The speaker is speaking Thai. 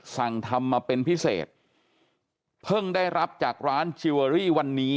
สั่งทำมาเป็นพิเศษเพิ่งได้รับจากร้านจิลเวอรี่วันนี้